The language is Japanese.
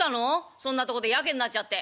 そんなとこでヤケになっちゃって。